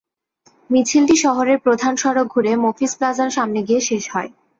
মিছিলটি শহরের প্রধান সড়ক ঘুরে মফিজ প্লাজার সামনে গিয়ে শেষ হয়।